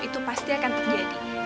itu pasti akan terjadi